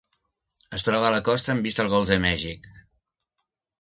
Es troba a la costa amb vista al Golf de Mèxic.